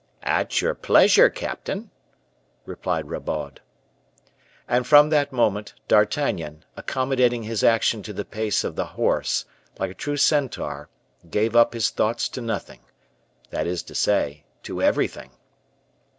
"At your pleasure, captain," replied Rabaud. And from that moment, D'Artagnan, accommodating his action to the pace of the horse, like a true centaur, gave up his thoughts to nothing that is to say, to everything.